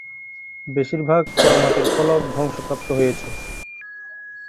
বেশিরভাগ পোড়ামাটির ফলক ধ্বংসপ্রাপ্ত হয়েছে।